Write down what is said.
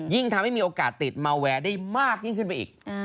ยิ่งทำให้มีโอกาสติดมาแวร์ได้มากยิ่งขึ้นไปอีก